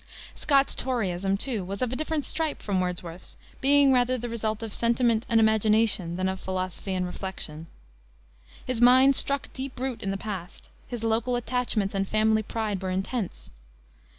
Scott's Toryism, too, was of a different stripe from Wordsworth's, being rather the result of sentiment and imagination than of philosophy and reflection. His mind struck deep root in the past; his local attachments and family pride were intense.